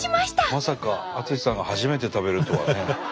まさか淳さんが初めて食べるとはね。